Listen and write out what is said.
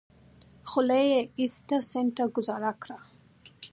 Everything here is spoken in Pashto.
خولۍ يې ايسته سيند ته گوزار کړه.